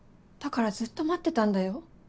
だからずっと待ってたんだよ。